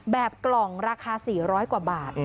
กล่องราคา๔๐๐กว่าบาท